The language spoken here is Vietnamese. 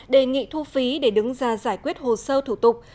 đề nghị thu phí để đứng ra giải quyết hồ sơ thủ tục